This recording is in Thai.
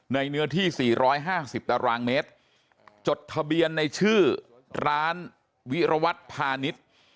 เนื้อที่๔๕๐ตารางเมตรจดทะเบียนในชื่อร้านวิรวัตรพาณิชย์